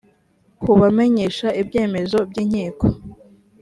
kubamenyesha ibyemezo by inkiko